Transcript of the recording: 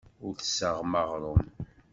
Ur d-tessaɣem aɣrum.